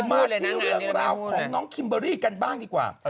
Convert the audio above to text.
มาที่เรื่องราวของน้องคิมเบอรี่กันบ้างดีกว่า